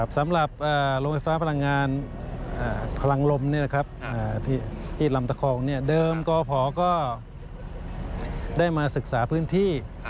สำหรับโรงไฟฟ้าพลังงานพลังลมที่ลำตะคองเดิมกพก็ได้มาศึกษาพื้นที่